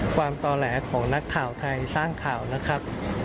ต่อแหลของนักข่าวไทยสร้างข่าวนะครับ